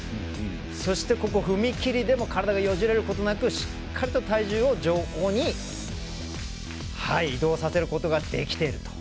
そして、踏み切りでも体がよじれることなくしっかりと体重を上方に移動させることができている。